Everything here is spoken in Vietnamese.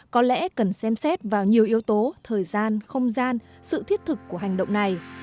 có lẽ cần xem xét vào nhiều yếu tố thời gian không gian sự thiết thực của hành động này